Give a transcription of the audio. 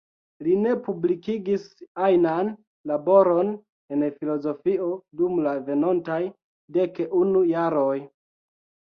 Li ne publikigis ajnan laboron en filozofio dum la venontaj dek unu jaroj.